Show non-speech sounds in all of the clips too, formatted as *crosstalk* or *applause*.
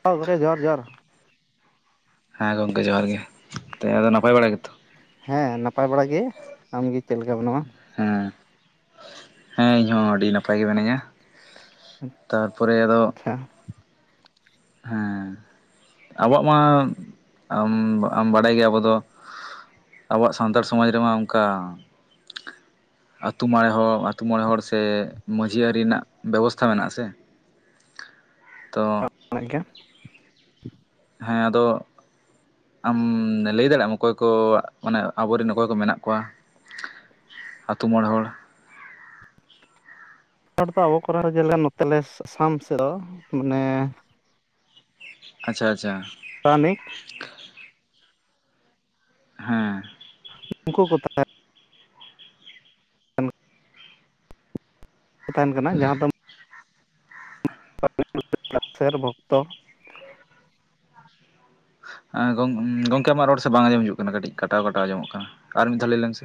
*unintelligible* ᱦ ᱜᱠᱮ ᱡᱚᱦᱟᱨ ᱡᱚᱦᱟᱨ ᱦᱮᱸ ᱜᱚᱢᱠᱮ ᱡᱚᱦᱟᱨ ᱜᱮ ᱚ *unintelligible* ᱱᱟᱯᱟᱭ ᱵᱟᱲᱟ ᱜᱮᱛᱚ ᱦᱮᱸ ᱱᱟᱯᱟᱭ ᱵᱟᱲᱟ ᱜᱮ ᱟᱢᱜᱮ ᱪᱮᱫ ᱞᱮᱠᱟ ᱢᱮᱱᱟᱢᱟ ᱦᱮᱸ ᱦᱮᱸ ᱤᱧ ᱦᱚᱸ ᱟᱹᱰᱤ ᱱᱟᱯᱟᱭ ᱜᱮ ᱢᱤᱱᱟᱹᱧᱟ ᱛᱟᱨᱯᱚᱨᱮ ᱟᱫᱚ ᱟᱪᱪᱷᱟ ᱦᱮᱸ ᱟᱵᱚᱣᱟᱜ ᱢᱟ *unintelligible* ᱵᱟᱰᱟᱭ ᱜᱮᱭᱟ ᱟᱵᱚ ᱫᱚ ᱟᱵᱚᱣᱟᱜ ᱥᱟᱱᱛᱟᱲ ᱥᱚᱢᱟᱡᱽ ᱨᱮᱢᱟ ᱚᱱᱠᱟ ᱟᱹᱛᱩᱳ *unintelligible* ᱢᱚᱬᱮ ᱦᱚᱲ ᱟᱹᱛᱩᱳ ᱢᱚᱬᱮ ᱦᱚᱲ ᱥᱮ ᱢᱺᱡᱷᱤ ᱟᱹᱨᱤ ᱨᱮᱱᱟᱜ ᱵᱮᱵᱚᱥᱛᱷᱟ ᱢᱮᱱᱟᱜ ᱟᱥᱮ ᱛᱚ ᱜᱮᱭᱟ ᱦᱮᱸ ᱟᱫᱚ ᱟᱢ ᱞᱟᱹᱭ ᱫᱟᱲᱮᱭᱟᱜ ᱟᱢ ᱚᱠᱚᱭ ᱠᱚ ᱢᱟᱱᱮ ᱟᱵᱚᱨᱮᱱ ᱚᱠᱚᱭ ᱠᱚ ᱢᱮᱱᱟᱜ ᱠᱚᱣᱟ ᱟᱹᱛᱩ ᱢᱚᱬᱮ ᱦᱚᱲ ᱦᱚᱲ ᱫᱚ ᱟᱵᱚ ᱠᱚᱨᱮ ᱡᱮᱞᱮᱠᱟ ᱱᱚᱛᱮ ᱟᱥᱟᱢ ᱥᱮᱫ ᱫᱚ ᱢᱟᱱᱮ ᱟᱪᱪᱷᱟ ᱟᱪᱪᱷᱟ ᱯᱟᱨᱟᱱᱤᱠ *unintelligible* ᱦᱮᱸ ᱩᱱᱠᱩ ᱠᱚ ᱛᱟᱦᱮ *unintelligible* ᱛᱟᱦᱮᱱ ᱠᱟᱱᱟ ᱡᱟᱦᱟᱸ ᱫᱚ *unintelligible* ᱥᱨ ᱵᱷᱚᱠᱛᱚ ᱜᱚᱢᱠᱮ ᱟᱢᱟᱜ ᱨᱚᱲ ᱥᱮ ᱵᱟᱝ ᱟᱸᱡᱚᱢ ᱦᱤᱡᱩᱜ ᱠᱟᱱᱟ ᱠᱟᱹᱴᱤᱡ ᱠᱟᱴᱟᱣ ᱠᱟᱴᱟᱣ ᱟᱸᱡᱚᱢᱚᱜ ᱠᱟᱱᱟ ᱟᱨ ᱢᱤᱫ ᱫᱷᱟᱣ ᱞᱟᱹᱭ ᱞᱮᱢ ᱥᱮ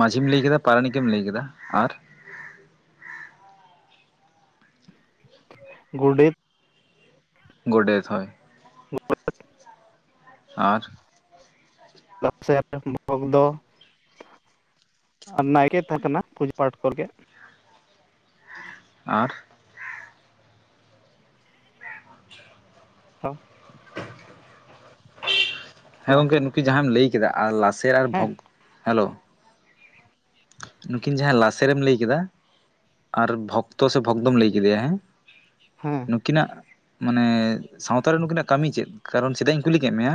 ᱢᱟᱹᱡᱷᱤᱢ ᱞᱟᱹᱭ ᱠᱮᱫᱟ ᱯᱟᱨᱟᱱᱤᱠ ᱮᱢ ᱞᱟᱹᱭ ᱠᱮᱫᱟ ᱟᱨ ᱜᱩᱰᱮᱛ ᱜᱚᱰᱮᱛ ᱦᱚᱭ *unintelligible* ᱢ ᱟᱨ *unintelligible* ᱞᱥᱮᱨ ᱵᱷᱚᱜ ᱫᱚ ᱟᱨ ᱱᱟᱭᱠᱮᱭ ᱛᱟᱦᱮᱸ ᱠᱟᱱᱟ ᱯᱩᱡᱟᱹ ᱯᱟᱴ ᱠᱚᱨᱜᱮ ᱟᱨ ᱟᱪᱪᱷᱟ *inaudible* *unintelligible* ᱦᱮ ᱦᱮᱸ ᱦᱮᱞᱳ ᱜᱚᱝᱠᱮ ᱱᱩᱠᱤ ᱡᱟᱦᱟᱸᱢ ᱞᱟᱹᱭ ᱠᱮᱫᱟ ᱟᱨ ᱞᱟᱥᱮᱨ ᱟᱨ ᱦᱮᱸ ᱵᱷᱚᱜᱽ ᱦᱮᱞᱳ ᱱᱩᱠᱤᱱ ᱡᱟᱦᱟᱸ ᱞᱟᱥᱨᱮᱢ ᱞᱟᱹᱭ ᱠᱮᱫᱟ ᱟᱨ ᱵᱷᱚᱠᱛᱚ ᱥᱮ ᱵᱷᱚᱠᱫᱚᱢ ᱞᱟᱹᱭ ᱠᱮᱫᱮᱭᱟ ᱦᱮᱸ ᱦᱮᱸ ᱱᱩᱠᱤᱱᱟᱜ ᱢᱟᱱᱮ ᱥᱟᱶᱛᱟᱨᱮ ᱱᱩᱠᱤᱱᱟᱜ ᱠᱟᱹᱢᱤ ᱪᱮᱫ ᱠᱟᱨᱚᱱ ᱪᱮᱫᱟᱜ ᱤᱧ ᱠᱩᱞᱤ ᱠᱮᱫ ᱢᱮᱭᱟ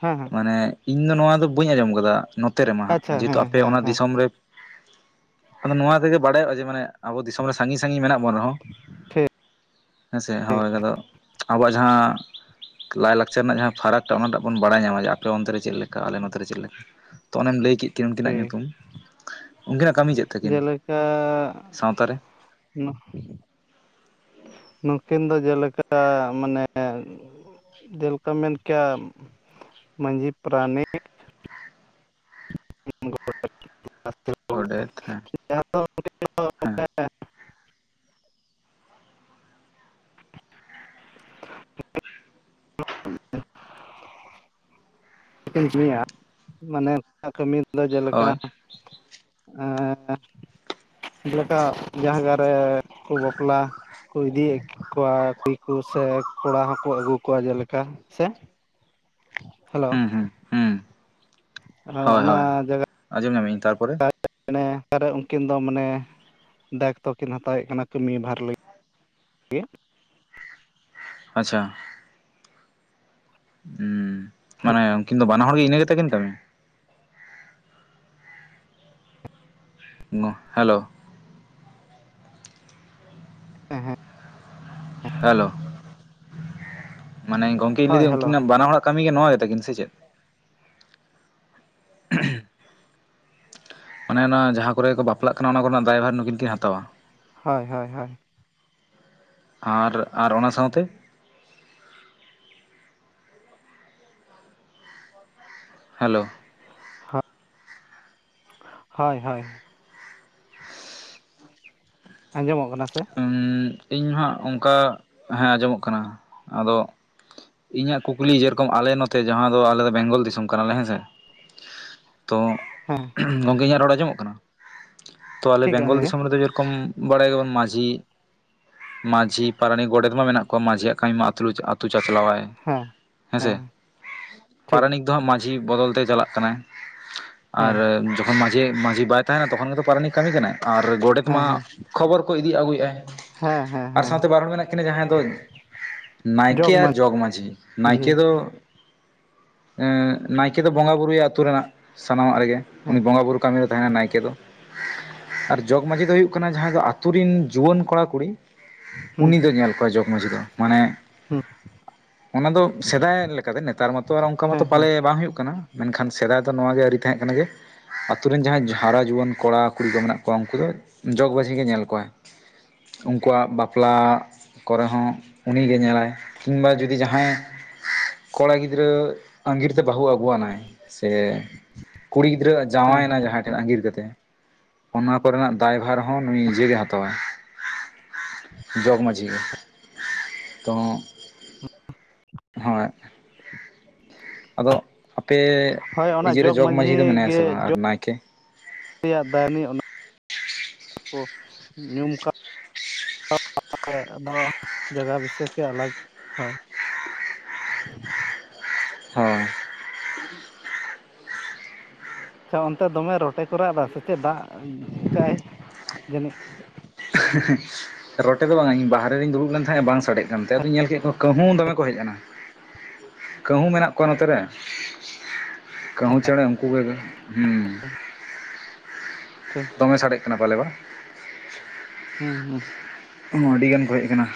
ᱦᱮᱸ ᱦᱮᱸ ᱢᱟᱱᱮ ᱤᱧ ᱫᱚ ᱱᱚᱣᱟ ᱫᱚ ᱵᱟᱹᱧ ᱟᱸᱡᱚᱢ ᱟᱠᱟᱫᱟ ᱱᱚᱛᱮ ᱨᱮᱢᱟ ᱦᱟᱜ ᱟᱪᱪᱷᱟ ᱡᱮᱦᱮᱛᱩ ᱦᱮᱸ ᱟᱯᱮ ᱦᱮᱸ ᱚᱱᱟ ᱦᱮᱸ ᱫᱤᱥᱚᱢ ᱨᱮ ᱟᱫᱚ ᱱᱚᱣᱟ ᱛᱮᱜᱮ ᱵᱟᱲᱟᱭᱚᱜᱼᱟ ᱡᱮ ᱢᱟᱱᱮ ᱟᱵᱚ ᱫᱤᱥᱚᱢ ᱨᱮ ᱥᱟᱺᱜᱤᱧ ᱥᱟᱺᱜᱤᱧ ᱢᱮᱱᱟᱜ ᱵᱚᱱ ᱨᱮᱦᱚᱸ ᱴᱷᱤᱠ ᱦᱮᱸᱥᱮ ᱦᱳᱭ ᱟᱫᱚ ᱟᱵᱚᱣᱟᱜ ᱡᱟᱦᱟᱸ ᱞᱟᱭᱼᱞᱟᱠᱪᱟᱨ ᱨᱮᱱᱟᱜ ᱡᱟᱦᱟᱸ ᱯᱷᱟᱨᱟᱠᱴᱟᱜ ᱚᱱᱟ ᱴᱟᱜ ᱵᱚᱱ ᱵᱟᱲᱟᱭ ᱧᱟᱢᱟ ᱡᱮ ᱟᱯᱮ ᱚᱱᱛᱮ ᱨᱮ ᱪᱮᱫ ᱞᱮᱠᱟ ᱟᱞᱮ ᱱᱚᱛᱮ ᱨᱮ ᱪᱮᱫ ᱞᱮᱠᱟ ᱛᱚ ᱚᱱᱮᱢ ᱞᱟᱹᱭ ᱠᱮᱫ ᱠᱤᱱ ᱩᱱᱠᱤᱱᱟᱜ ᱴᱷᱤᱠ ᱧᱩᱛᱩᱢ ᱩᱱᱠᱤᱱᱟᱜ ᱠᱟᱹᱢᱤ ᱪᱮᱫ ᱛᱟᱹᱠᱤᱱ ᱡᱮᱞᱮᱠᱟ ᱥᱟᱶᱛᱟᱨᱮ *unintelligible* ᱱᱩᱠᱤᱱ ᱫᱚ ᱡᱮᱞᱮᱠᱟ ᱢᱟᱱᱮ ᱡᱮᱞᱮᱠᱟᱢ ᱢᱮᱱ ᱠᱮᱭᱟ ᱢᱟᱹᱡᱷᱤ ᱯᱟᱨᱟᱱᱤᱠ ᱜᱚᱰᱮᱛ ᱦᱮᱸ ᱦᱮᱸ *unintelligible* *unintelligible* ᱢᱟᱱᱮ ᱠᱟᱹᱢᱤ ᱫᱚ ᱡᱮᱞᱮᱠᱟ ᱦᱳᱭ ᱦᱮ ᱡᱮᱞᱮᱠᱟ ᱡᱟᱸᱦᱟ ᱠᱚᱨᱮ ᱠᱚ ᱵᱟᱯᱞᱟ ᱠᱚ ᱤᱫᱤᱭᱮᱫ ᱠᱚᱣᱟ ᱠᱩᱲᱤ ᱠᱚ ᱥᱮ ᱠᱚᱲᱟ ᱦᱚᱸᱠᱚ ᱟᱹᱜᱩ ᱠᱚᱣᱟ ᱡᱮᱞᱮᱠᱟ ᱥᱮ ᱦᱮᱞᱳ ᱦᱩᱸ ᱦᱩᱸ ᱦᱩᱸ ᱟᱨ ᱦᱳᱭ ᱚᱱᱟ ᱦᱳᱭ ᱡᱟᱭᱜᱟ ᱟᱸᱡᱚᱢ ᱧᱟᱢᱤᱧ ᱛᱟᱨᱯᱚᱨᱮ ᱨᱮ *unintelligible* ᱩᱱᱠᱤᱱ ᱫᱚ ᱢᱟᱱᱮ ᱫᱟᱭᱤᱛᱛᱚ ᱠᱤᱱ ᱦᱟᱛᱟᱣᱮᱫ ᱠᱟᱱᱟ ᱠᱟᱹᱢᱤ ᱵᱷᱟᱨ ᱞᱟᱹᱜᱤᱫ ᱜᱮ ᱟᱪᱪᱷᱟ ᱦᱮᱸ ᱢᱟᱱᱮ ᱩᱱᱠᱤᱱ ᱫᱚ ᱵᱟᱱᱟ ᱦᱚᱲ ᱜᱮ ᱤᱱᱟᱹ ᱜᱮᱛᱟ ᱠᱤᱱ ᱠᱟᱹᱢᱤ *inaudible* ᱱᱳ ᱦᱮᱞᱳ ᱩ ᱦᱩᱜ ᱦᱮᱞᱳ ᱢᱟᱱᱮ ᱜᱚᱝᱠᱮᱧ ᱦᱳᱭ ᱞᱟᱹᱭᱫᱟ ᱦᱮᱞᱳ ᱩᱱᱠᱤᱱᱟᱜ ᱵᱟᱱᱟ ᱦᱚᱲᱟᱜ ᱠᱟᱹᱢᱤ ᱜᱮ ᱱᱚᱣᱟ ᱜᱮᱛᱟ ᱠᱤᱱ ᱥᱮ ᱪᱮᱫ ᱦᱳᱭ *unintelligible* ᱢᱟᱱᱮ ᱚᱱᱟ ᱡᱟᱦᱟᱸ ᱠᱚᱨᱮ ᱠᱚ ᱵᱟᱯᱞᱟᱜ ᱠᱟᱱᱟ ᱚᱱᱟ ᱠᱚᱨᱮᱱᱟᱜ ᱫᱟᱭᱵᱷᱟᱨ ᱱᱩᱠᱤᱱ ᱠᱤᱱ ᱦᱟᱛᱟᱣᱟ ᱦᱳᱭ ᱦᱳᱭ ᱦᱳᱭ ᱟᱨ ᱟᱨ ᱚᱱᱟ ᱥᱟᱶᱛᱮ ᱦᱮᱞᱳ ᱦᱚ ᱦᱳᱭ ᱦᱳᱭ ᱟᱸᱡᱚᱢᱚᱜ ᱠᱟᱱᱟ ᱥᱮ ᱤᱧ ᱦᱚᱸ ᱚᱱᱠᱟ ᱦᱮᱸ ᱟᱸᱡᱚᱢᱚᱜ ᱠᱟᱱᱟ ᱟᱫᱚ ᱤᱧᱟᱹᱜ ᱠᱩᱠᱞᱤ ᱡᱮᱨᱚᱠᱚᱢ ᱟᱞᱮ ᱱᱚᱛᱮ ᱡᱟᱦᱟᱸ ᱫᱚ ᱟᱞᱮ ᱫᱚ ᱵᱮᱝᱜᱚᱞ ᱫᱤᱥᱚᱢ ᱠᱟᱱᱟᱞᱮ ᱦᱮᱸᱥᱮ ᱛᱚ ᱦᱮᱸ ᱜᱚᱢᱠᱮ ᱤᱧᱟᱹᱜ ᱨᱚᱲ ᱟᱸᱡᱚᱢᱚᱜ ᱠᱟᱱᱟ ᱛᱚ ᱟᱞᱮ ᱴᱷᱤᱠ ᱵᱮᱝᱜᱚᱞ ᱟᱸᱡᱚᱢ ᱜᱮ ᱫᱤᱥᱚᱢ ᱨᱮᱫᱚ ᱡᱮᱨᱚᱠᱚᱢ ᱵᱟᱲᱟᱭ ᱜᱮᱭᱟᱵᱚᱱ ᱢᱟᱺᱡᱷᱤ ᱢᱟᱺᱡᱷᱤ ᱯᱟᱨᱟᱱᱤᱠ ᱜᱚᱰᱮᱛ ᱢᱟ ᱢᱮᱱᱟᱜ ᱠᱚᱣᱟ ᱢᱟᱺᱡᱷᱤᱭᱟᱜ ᱠᱟᱹᱢᱤ ᱢᱟ ᱟᱹᱛᱩ ᱪᱟᱪᱞᱟᱣ ᱟᱭ ᱦᱮᱸ ᱦᱮᱸᱥᱮ ᱦᱮᱸ ᱴᱷᱤᱠ ᱯᱟᱨᱟᱱᱤᱠ ᱫᱚ ᱦᱟᱸᱜ ᱢᱟᱺᱡᱷᱤ ᱢᱟᱺᱡᱷᱤ ᱵᱚᱫᱚᱞ ᱛᱮᱭ ᱪᱟᱞᱟᱜ ᱠᱟᱱᱟ ᱟᱨ ᱦᱮᱸ ᱡᱚᱠᱷᱚᱱ ᱢᱟᱺᱡᱷᱤ ᱡᱮ ᱢᱟᱺᱡᱷᱤ ᱵᱟᱭ ᱛᱟᱦᱮᱱᱟ ᱛᱚᱠᱷᱚᱱ ᱜᱮᱛᱚ ᱯᱟᱨᱟᱱᱤ ᱠᱟᱹᱢᱤ ᱠᱟᱱᱟᱭ ᱟᱨ ᱜᱚᱰᱮᱛ ᱦᱮᱸ ᱢᱟ ᱦᱮᱸ ᱠᱷᱚᱵᱚᱨ ᱠᱚ ᱤᱫᱤ ᱟᱹᱜᱩᱭᱮᱫᱟᱭ᱾ ᱦᱮᱸ ᱦᱮᱸ ᱟᱨ ᱦᱮᱸ ᱥᱟᱶᱛᱮ ᱵᱟᱨ ᱦᱚᱲ ᱢᱮᱱᱟᱜ ᱠᱤᱱᱟᱹ ᱡᱟᱸᱦᱟᱭ ᱫᱚ ᱱᱟᱭᱠᱮ ᱟᱨ ᱡᱚᱜᱽ ᱢᱟᱺᱡᱷᱤ ᱢᱟᱺᱡᱷᱤ ᱦᱮᱸ ᱱᱟᱭᱠᱮ ᱫᱚ ᱱᱟᱭᱠᱮ ᱫᱚ ᱵᱚᱸᱜᱟ ᱵᱩᱨᱩᱭᱟ ᱟᱹᱛᱩ ᱨᱮᱱᱟᱜ ᱥᱟᱱᱟᱢᱟᱜ ᱨᱮᱜᱮ ᱩᱱᱤ ᱵᱚᱸᱜᱟ ᱵᱩᱨᱩ ᱠᱟᱹᱢᱤ ᱛᱟᱦᱮᱱᱟ ᱱᱟᱭᱠᱮ ᱫᱚ ᱟᱨ ᱡᱚᱜᱽ ᱢᱟᱹᱡᱷᱤ ᱫᱚ ᱦᱩᱭᱩᱜ ᱠᱟᱱᱟ ᱡᱟᱦᱟᱸᱭ ᱫᱚ ᱟᱹᱛᱩ ᱨᱮᱱ ᱡᱩᱣᱟᱹᱱ ᱠᱚᱲᱟ ᱠᱩᱲᱤ ᱦᱮᱸ ᱩᱱᱤ ᱫᱚ ᱧᱮᱞ ᱠᱚᱣᱟᱭ ᱡᱚᱜᱽ ᱢᱟᱺᱡᱷᱤ ᱫᱚ ᱢᱟᱱᱮ ᱦᱮᱸ ᱚᱱᱟ ᱫᱚ ᱥᱮᱫᱟᱭ ᱞᱮᱠᱟᱛᱮ ᱱᱮᱛᱟᱨ ᱢᱟᱛᱚ ᱟᱨ ᱚᱱᱠᱟ ᱢᱟᱛᱚ ᱦᱮᱸ ᱦᱮᱸ ᱯᱟᱞᱮ ᱵᱟᱝ ᱦᱩᱭᱩᱜ ᱠᱟᱱᱟ᱾ ᱢᱮᱱᱠᱷᱟᱱ ᱥᱮᱫᱟᱭ ᱫᱚ ᱱᱚᱣᱟᱜᱮ ᱟᱹᱨᱤ ᱛᱟᱦᱮᱸ ᱠᱟᱱᱟ ᱡᱮ ᱟᱹᱛᱩ ᱨᱮᱱ ᱡᱟᱦᱟᱸᱭ ᱦᱟᱨᱟ ᱡᱩᱣᱟᱹᱱ ᱠᱚᱲᱟ-ᱠᱩᱲᱤ ᱠᱚ ᱢᱮᱱᱟᱜ ᱠᱚᱣᱟ ᱩᱱᱠᱩ ᱫᱚ ᱡᱚᱜᱽ ᱢᱟᱺᱡᱷᱤ ᱜᱮ ᱧᱮᱞ ᱠᱚᱣᱟ᱾ ᱩᱱᱠᱩᱣᱟᱜ ᱵᱟᱯᱞᱟ ᱠᱚᱨᱮ ᱦᱚᱸ ᱩᱱᱤᱜᱮ ᱧᱮᱞᱟᱭ ᱠᱤᱝᱵᱟ ᱡᱩᱫᱤ ᱡᱟᱦᱟᱸᱭ ᱠᱚᱲᱟ ᱜᱤᱫᱽᱨᱟᱹ ᱟᱸᱜᱤᱨ ᱛᱮ ᱵᱟᱦᱩ ᱟᱹᱜᱩ ᱟᱱᱟᱭ ᱥᱮ ᱠᱩᱲᱤ ᱜᱤᱫᱽᱨᱟᱹᱚᱜ ᱦᱮᱸ ᱡᱟᱶᱟᱭᱮᱱᱟ ᱡᱟᱦᱟᱸᱭ ᱴᱷᱮᱱ ᱦᱮᱸ ᱟᱸᱜᱤᱨ ᱠᱟᱛᱮ ᱚᱱᱟ ᱠᱚᱨᱮᱱᱟᱜ ᱫᱟᱭᱵᱷᱟᱨ ᱦᱚᱸ ᱱᱩᱭ ᱱᱤᱡᱮᱜᱮ ᱦᱟ ᱛᱟᱣᱟᱭ᱾ ᱡᱚᱜᱽ ᱢᱟᱺᱡᱷᱤ ᱜᱮ ᱛᱚ ᱦᱳᱭ ᱟᱫᱚ ᱟᱯᱮ ᱦᱳᱭ ᱚᱱᱟ ᱤᱭᱟᱹᱨᱮ ᱡᱚᱜᱽ ᱢᱟᱺᱡᱷᱤ ᱫᱚ ᱢᱮᱱᱟᱭᱟ ᱥᱮ ᱵᱟᱝ ᱟᱨ ᱱᱟᱭᱠᱮ ᱩᱱᱤᱭᱟᱜ ᱫᱟᱭᱱᱤ ᱚᱱᱟ *inaudible* ᱠᱚ ᱧᱩᱢ ᱟᱠᱟᱜ *unintelligible* ᱟᱫᱚ ᱡᱟᱭᱜᱟ ᱵᱤᱥᱟᱠ ᱛᱮ ᱟᱞᱟᱜ-ᱟ ᱦᱳᱭ ᱟᱪᱪᱷᱟ ᱚᱱᱛᱮ ᱫᱚᱢᱮ ᱨᱚᱴᱮ ᱠᱚ ᱨᱟᱜ ᱮᱫᱟ ᱥᱮ ᱪᱮᱫ ᱫᱟᱜ ᱠᱟᱜ-ᱟᱭ ᱡᱟᱹᱱᱤᱡ ᱦᱮ ᱦᱮ ᱻᱨᱚᱴᱮ ᱫᱚ ᱵᱟᱝᱼᱟ ᱤᱧ ᱵᱟᱦᱨᱮ ᱨᱤᱧ ᱫᱩᱲᱩᱵ ᱞᱮᱱ ᱛᱟᱦᱮ ᱵᱟᱝ ᱥᱟᱰᱮᱜ ᱠᱟᱱ ᱛᱮ ᱟᱫᱩᱧ ᱧᱮᱞ ᱠᱮᱜ ᱠᱚ ᱠᱟᱹᱦᱩ ᱫᱚᱢᱮ ᱠᱚ ᱦᱮᱡ ᱮᱱᱟ ᱠᱟᱹᱦᱩ ᱢᱮᱱᱟᱜ ᱠᱚᱣᱟ ᱱᱚᱛᱮ ᱨᱮ ᱠᱟᱹᱦᱩ ᱪᱮᱸᱬᱮ ᱩᱱᱠᱩ ᱜᱮ ᱦᱩᱸ ᱴᱷᱤᱠ ᱫᱚᱢᱮ ᱥᱟᱰᱮᱜ ᱠᱟᱱᱟ ᱯᱟᱞᱮ ᱵᱟ ᱦᱩᱸ ᱦᱩᱸ ᱟᱹᱰᱤ ᱜᱟᱱ ᱠᱚ ᱦᱮᱡ ᱟᱠᱟᱱᱟ᱾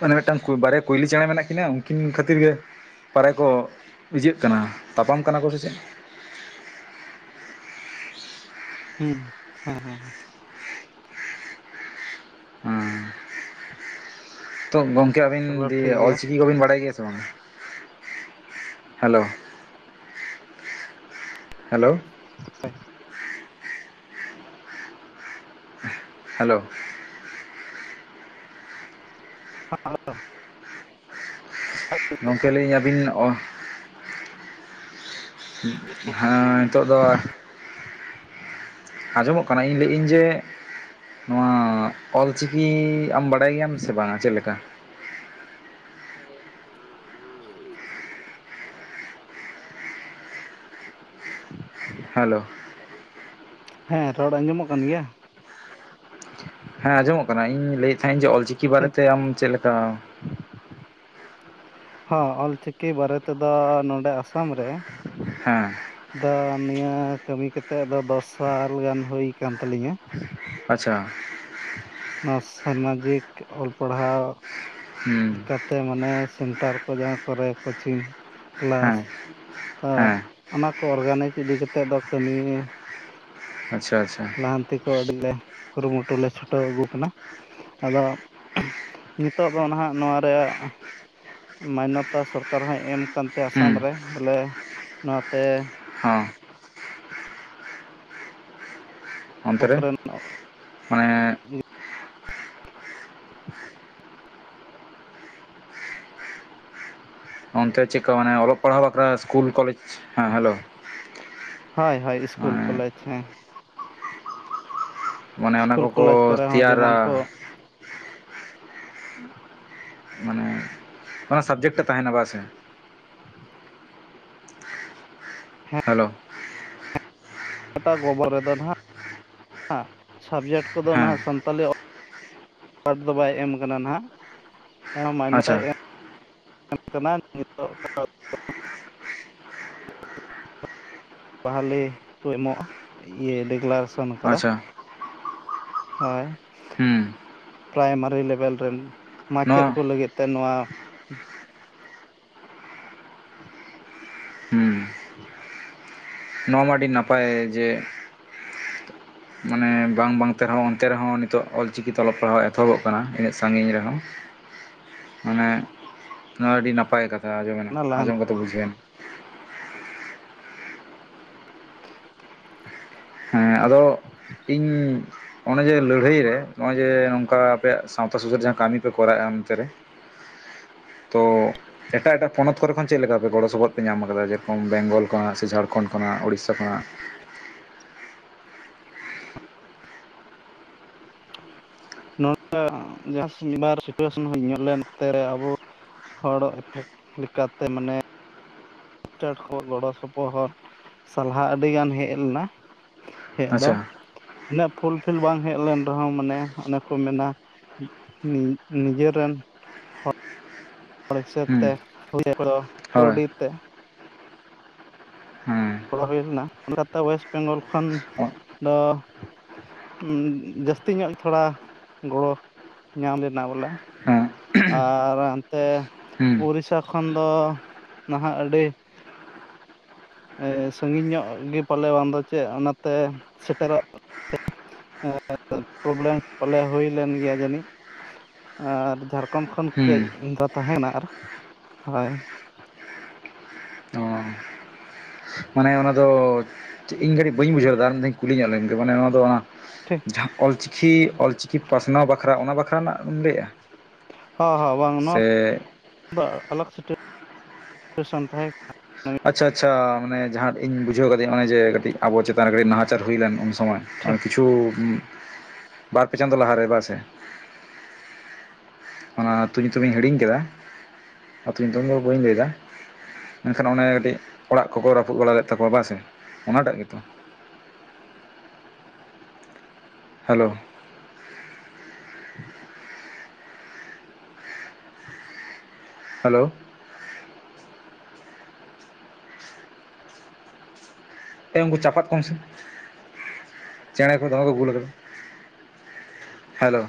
ᱢᱟᱱᱮ ᱢᱤᱫᱴᱟᱝ ᱵᱟᱨᱭᱟ ᱠᱩᱭᱞᱤ ᱪᱮᱸᱬᱮ ᱢᱮᱱᱟᱜ ᱠᱤᱱᱟ ᱩᱱᱠᱤᱱ ᱠᱷᱟᱹᱛᱤᱨ ᱜᱮ ᱯᱟᱨᱮ ᱠᱚ ᱤᱡᱟᱹᱜ ᱠᱟᱱᱟ ᱛᱟᱯᱟᱢ ᱠᱟᱱᱟ ᱠᱚ ᱥᱮ ᱪᱮᱫ ᱦᱩᱸ ᱦᱮᱸ ᱦᱮᱸ ᱦᱮᱸ ᱦᱮᱸ ᱛᱚ ᱜᱚᱝᱠᱮ ᱟᱵᱤᱱ ᱪᱚᱞᱚ ᱴᱷᱤᱠ ᱫᱤᱭᱮ ᱜᱮᱭᱟ ᱚᱞᱪᱤᱠᱤ ᱠᱚᱵᱤᱱ ᱵᱟᱲᱟᱭ ᱜᱮᱭᱟ ᱥᱮ ᱵᱟᱝ ᱦᱮᱞᱳ ᱦᱮᱞᱳᱣ ᱦᱳᱭ ᱦᱮᱞᱳ ᱦᱮᱞᱳᱣ ᱜᱚᱝᱠᱮ ᱞᱟᱹᱭᱧ ᱟᱵᱤᱱ ᱚ ᱦᱮᱸ ᱱᱤᱛᱚᱜ ᱫᱚ ᱟᱡᱚᱢ ᱚᱜ ᱠᱟᱱᱟ ᱤᱧ ᱞᱟᱹᱭ ᱤᱧ ᱡᱮ ᱱᱚᱣᱟ ᱚᱞᱪᱤᱠᱤ ᱟᱢ *unintelligible* ᱵᱟᱰᱟᱭ ᱜᱮᱭᱟᱢ ᱥᱮ ᱵᱟᱝ ᱪᱮᱫ ᱞᱮᱠᱟ ᱦᱮᱞᱳ ᱦᱮᱸ ᱨᱚᱲ ᱟᱡᱚᱢᱼᱚᱜ ᱠᱟᱱ ᱜᱮᱭᱟ ᱦᱮᱸ ᱟᱡᱚᱢᱚᱜ ᱠᱟᱱᱟ ᱤᱧ ᱞᱟᱹᱭ ᱮᱫ ᱛᱟᱦᱮᱫ ᱤᱧ ᱡᱮ ᱚᱞᱪᱤᱠᱤ ᱴᱷᱤᱠ ᱵᱟᱨᱮᱛᱮ ᱟᱢ ᱪᱮᱫ ᱞᱮᱠᱟ *inaudible* ᱦᱚᱸ ᱚᱞ ᱪᱤᱠᱤ ᱵᱟᱨᱮ ᱛᱮᱫᱚ ᱱᱚᱰᱮ ᱟᱥᱟᱢ ᱨᱮ ᱦᱮᱸ ᱫᱟ ᱱᱤᱭᱟᱹ ᱠᱟᱹᱢᱤ ᱠᱮᱛ ᱛᱮ ᱫᱚ ᱫᱚᱥ ᱥᱟᱞ ᱜᱟᱱ ᱦᱩᱭ ᱠᱟᱱ ᱛᱟᱞᱤᱧᱟ ᱟᱪᱪᱷᱟ ᱱᱚᱣᱟ ᱥᱟᱢᱟᱡᱤᱠ ᱚᱞ ᱯᱟᱲᱦᱟᱣ ᱦᱮᱸ ᱞᱮᱠᱟ ᱛᱮ ᱢᱟᱱᱮ ᱥᱮᱱᱴᱟᱨ ᱠᱚ ᱡᱟᱦᱟᱸ ᱠᱚᱨᱮ ᱠᱳᱪᱤᱝ ᱠᱞᱟᱥ ᱦᱮᱸ ᱛᱚ ᱦᱮᱸ ᱚᱱᱟ ᱠᱚ ᱚᱨᱜᱟᱱᱟᱭᱤᱡᱽ ᱤᱫᱤ ᱠᱟᱛᱮᱜ ᱫᱚ ᱠᱟᱹᱢᱤ ᱟᱪᱪᱷᱟ ᱟᱪᱪᱷᱟ ᱞᱟᱦᱟᱱᱛᱤ ᱠᱚ ᱟᱹᱰᱤ ᱜᱮ ᱠᱩᱨᱩᱢᱩᱴᱩ ᱞᱮ ᱪᱷᱩᱴᱟᱹᱣ ᱟᱜᱩ ᱠᱟᱱᱟ ᱟᱫᱚ ᱱᱤᱛᱳᱜ ᱫᱚ ᱱᱟᱦᱟᱜ ᱱᱚᱣᱟ ᱨᱮ ᱢᱟᱱᱱᱚᱛᱟ ᱥᱚᱨᱠᱟᱨ ᱦᱚᱭ ᱮᱢ ᱠᱟᱱᱛᱮ ᱟᱥᱟᱢ ᱦᱮᱸ ᱨᱮ ᱵᱚᱞᱮ ᱱᱚᱣᱟ ᱛᱮ ᱦᱚᱸ ᱚᱱᱛᱮ ᱨᱮ *unintelligible* ᱢᱟᱱᱮ ᱚᱱᱛᱮ ᱪᱮᱫᱠᱟ ᱢᱟᱱᱮ ᱚᱞᱚᱜ ᱯᱟᱲᱦᱟᱣ ᱵᱟᱠᱷᱨᱟ ᱤᱥᱠᱩᱞ ᱠᱚᱞᱮᱡᱽ ᱦᱮᱸ ᱦᱮᱞᱳ ᱦᱳᱭ ᱦᱳᱭ ᱤᱥᱠᱩᱞ ᱠᱚᱞᱮᱡᱽ ᱦᱮᱸ ᱢᱟᱱᱮ ᱚᱱᱟ ᱤᱥᱠᱩᱞ ᱠᱚᱠᱚ ᱠᱚᱞᱮᱡᱽ ᱠᱚᱨᱮ ᱦᱚᱸ ᱛᱮᱭᱟᱨᱟ ᱡᱮᱢᱚᱱ ᱠᱚ ᱢᱟᱱᱮ ᱚᱱᱟ ᱥᱟᱵᱡᱮᱠᱴ ᱮ ᱛᱟᱦᱮᱱᱟ ᱵᱟ ᱥᱮ *unintelligible* ᱦᱮᱞᱳ ᱚᱴᱟ ᱜᱚᱵᱚᱨ ᱨᱮᱫᱚ ᱱᱟᱦᱟᱜ ᱥᱟᱵᱡᱮᱠᱴ ᱠᱚᱫᱚ ᱦᱮᱸ ᱱᱟᱦᱟᱜ ᱥᱟᱱᱛᱟᱞᱤ ᱠᱟᱨᱰ ᱫᱚ ᱵᱟᱭ ᱮᱢ ᱠᱟᱱᱟ ᱱᱟᱦᱟᱜ ᱢᱟᱭᱱᱚᱛᱟᱭ ᱟᱪᱪᱷᱟ ᱮᱢ ᱠᱟᱱᱟ ᱱᱤᱛᱚᱜ ᱫᱚ ᱵᱟᱦᱟᱞᱮ ᱠᱚ ᱮᱢᱚᱜᱼᱟ ᱤᱭᱟᱹ *unintelligible* ᱥᱚᱱ ᱠᱟᱫᱟ ᱟᱪᱪᱷᱟ ᱦᱳᱭ ᱦᱩᱸ ᱯᱨᱟᱭᱢᱟᱨᱤ ᱞᱮᱵᱮᱞ ᱨᱮᱱ ᱢᱟᱪᱮᱫ ᱱᱚᱣᱟ ᱠᱚ ᱞᱟᱹᱜᱤᱫ ᱛᱮ ᱱᱚᱣᱟ ᱦᱩᱸ ᱱᱚᱣᱟ ᱢᱟ ᱟᱹᱰᱤ ᱱᱟᱯᱟᱭ ᱡᱮ ᱢᱟᱱᱮ ᱵᱟᱝ ᱵᱟᱝ ᱛᱮ ᱨᱮᱦᱚᱸ ᱚᱱᱛᱮ ᱨᱮᱦᱚᱸ ᱱᱤᱛᱚᱜ ᱚᱞᱪᱤᱠᱤ ᱛᱮ ᱚᱞᱚᱜ ᱯᱟᱲᱦᱟᱜ ᱮᱛᱚᱦᱚᱵᱚᱜ ᱠᱟᱱᱟ ᱤᱱᱟᱹᱜ ᱥᱟᱜᱤᱧ ᱨᱮᱦᱚᱸ᱾ ᱢᱟᱱᱮ ᱱᱚᱣᱟ ᱟᱹᱰᱤ ᱱᱟᱯᱟᱭ ᱠᱟᱛᱷᱟ ᱟᱸᱡᱚᱢᱮᱱᱟ ᱞᱟᱦᱟ ᱟᱸᱡᱚᱢ ᱠᱟᱛᱮ ᱵᱩᱡᱷᱟᱹᱣᱱᱟ᱾ ᱦᱮᱸ ᱟᱫᱚ ᱤᱧ ᱱᱚᱜᱼᱚᱭ ᱡᱮ ᱞᱟᱹᱲᱦᱟᱹᱭ ᱨᱮ ᱱᱚᱜᱼᱚᱭ ᱡᱮ ᱱᱚᱝᱠᱟ ᱟᱯᱮᱭᱟᱜ ᱥᱟᱶᱛᱟ ᱥᱩᱥᱟᱹᱨ ᱡᱟᱦᱟᱸ ᱠᱟᱹᱢᱤ ᱯᱮ ᱠᱚᱨᱟᱣᱮᱫᱼᱟ ᱚᱱᱛᱮ ᱨᱮ *inaudible* ᱛᱚ ᱮᱴᱟᱜ ᱮᱴᱟᱜ ᱯᱚᱱᱚᱛ ᱠᱚᱨᱮ ᱠᱷᱚᱱ ᱪᱮᱫ ᱞᱮᱠᱟᱯᱮ ᱜᱚᱲᱚ ᱥᱚᱯᱚᱦᱚᱫ ᱯᱮ ᱧᱟᱢ ᱟᱠᱟᱫᱟ ᱡᱮᱨᱚᱠᱚᱢ ᱵᱮᱝᱜᱚᱞ ᱠᱷᱚᱱᱟᱜ ᱥᱮ ᱡᱷᱟᱲᱠᱷᱚᱸᱰ ᱠᱷᱚᱱᱟᱜ᱾ ᱩᱲᱤᱥᱥᱟ ᱠᱷᱚᱱᱟᱜ᱾ ᱱᱚᱠᱟ ᱡᱟᱦᱟᱸ ᱵᱟᱨ ᱥᱤᱪᱩᱭᱮᱥᱚᱱ ᱧᱚᱜ ᱞᱮᱱᱛᱮ ᱟᱵᱚ ᱦᱚᱲ ᱤᱯᱷᱮᱠᱴ ᱞᱮᱠᱟᱛᱮ ᱢᱟᱱᱮ *unintelligible* ᱠᱷᱚᱱ ᱜᱚᱲᱚ ᱥᱚᱯᱚᱦᱚᱫ ᱥᱟᱞᱦᱟ ᱟᱹᱰᱤᱜᱟᱱ ᱦᱮᱡ ᱞᱮᱱᱟ ᱦᱮᱡ ᱫᱚ ᱟᱪᱪᱷᱟ ᱩᱱᱟᱹᱜ ᱯᱷᱩᱞᱯᱷᱤᱞ ᱵᱟᱝ ᱦᱮᱡ ᱞᱮᱱ ᱨᱮᱦᱚᱸ ᱢᱟᱱᱮ ᱚᱱᱮ ᱠᱚ ᱢᱮᱱᱟ ᱱᱤᱡᱮ ᱨᱮᱱ ᱦᱚᱲ *unintelligible* ᱛᱮ ᱦᱩᱸ ᱦᱳᱭ ᱠᱟᱹᱣᱰᱤ ᱛᱮ ᱦᱮᱸ ᱜᱚᱲᱚ ᱦᱩᱭ ᱞᱮᱱᱟ ᱠᱳᱞᱠᱟᱛᱟ ᱚᱳᱭᱮᱥᱴ ᱵᱮᱝᱜᱚᱞ ᱠᱷᱚᱱ ᱫᱚ ᱡᱟᱹᱥᱛᱤ ᱧᱚᱜ ᱛᱷᱚᱲᱟ ᱜᱚᱲᱚ ᱧᱟᱢ ᱞᱮᱱᱟ ᱵᱚᱞᱮ᱾ ᱦᱮᱸ ᱟᱨ ᱚᱱᱛᱮ ᱦᱩᱸ ᱩᱲᱤᱥᱟ ᱠᱷᱚᱱ ᱫᱚ ᱱᱟᱦᱟᱜ ᱟᱹᱰᱤ ᱥᱟᱺᱜᱤᱧ ᱧᱚᱜ ᱜᱮ ᱯᱟᱞᱮ ᱵᱟᱝ ᱫᱚ ᱪᱮᱫ ᱚᱱᱟᱛᱮ ᱥᱮᱴᱮᱨᱚᱜ ᱯᱨᱚᱵᱮᱞᱮᱢ ᱯᱟᱞᱮ ᱦᱩᱭ ᱞᱮᱱ ᱜᱮᱭᱟ ᱡᱟᱹᱱᱤᱡ ᱟᱨ ᱡᱷᱟᱲᱠᱷᱚᱸᱰ ᱠᱷᱚᱱ ᱦᱩᱸ ᱠᱟᱹᱡ ᱫᱚ ᱛᱟᱦᱮᱸᱱᱟ ᱟᱨ ᱦᱳᱭ ᱚ ᱢᱟᱱᱮ ᱚᱱᱟᱫᱚ ᱤᱧ ᱜᱷᱟᱹᱲᱤᱡ ᱵᱟᱹᱧ ᱵᱩᱡᱷᱟᱹᱣ ᱞᱮᱫᱫᱟ ᱢᱮᱱ ᱫᱷᱟᱧ ᱠᱩᱞᱤ ᱧᱚᱜ ᱞᱮᱱ ᱢᱟᱱᱮ ᱚᱱᱟ ᱫᱚ ᱚᱱᱟ ᱴᱷᱤᱠ ᱡᱟᱦᱟᱸ ᱚᱞᱪᱤᱠᱤ ᱚᱞᱪᱤᱠᱤ ᱯᱟᱥᱱᱟᱣ ᱵᱟᱠᱷᱨᱟ ᱚᱱᱟ ᱵᱟᱠᱷᱨᱟ ᱨᱮᱱᱟᱜ ᱮᱢ ᱞᱟᱹᱭᱮᱜᱼᱟ ᱦᱚᱸ ᱦᱚᱸ ᱵᱟᱝ ᱱᱚᱣᱟ *inaudible* ᱥᱮᱴᱮᱨ ᱛᱟᱦᱮᱸ ᱠᱟᱱᱟ ᱟᱪᱪᱷᱟ ᱟᱪᱪᱷᱟ ᱢᱮ ᱡᱟᱦᱟᱸᱴ ᱤᱧ ᱵᱩᱡᱷᱟᱹᱣᱫᱤᱟ ᱚᱱᱮᱴ ᱟᱵᱚ ᱪᱮᱛᱟᱱᱴ ᱱᱟᱦᱟᱟᱨ ᱦᱩᱭ ᱞᱮᱱ ᱩᱱ ᱥᱚᱢᱚᱭ ᱴᱷᱤᱠ ᱠᱤᱪᱷᱩ ᱵᱟᱨ ᱯᱮ ᱪᱟᱸᱫᱚᱳ ᱞᱟᱦᱟᱮ ᱵᱟᱝ ᱥᱮ ᱟᱹᱛᱩ ᱧᱩᱛᱩᱢᱤᱧ ᱦᱤᱲᱤᱧ ᱠᱮᱫᱟ ᱟᱹᱛᱩᱳ ᱧᱩᱛᱩᱢ ᱫᱚ ᱵᱟᱹᱧ ᱞᱟᱹᱭᱫᱟ᱾ ᱢᱮᱱᱠᱷᱟᱱ ᱚᱱᱮ ᱠᱟᱹᱴᱤᱡ ᱚᱲᱟᱜ ᱠᱚᱠᱚ ᱨᱟᱹᱯᱩᱫ ᱵᱟᱲᱟ ᱞᱮᱫ ᱛᱟᱠᱚᱣᱟ ᱵᱟᱥᱮ ᱚᱱᱟᱴᱟᱜ ᱜᱮᱛᱚ *inaudible* ᱦᱮᱞᱳ ᱦᱮᱞᱳ ᱩᱱᱠᱩ ᱪᱟᱯᱟᱫ ᱠᱚᱢ ᱥᱮ ᱪᱮᱬᱮᱸ ᱠᱚ ᱫᱚᱦᱚ ᱠᱚ ᱜᱩᱞ ᱠᱟᱫᱟ᱾ ᱦᱮᱞᱳ